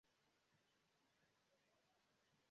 Estis granda bizono.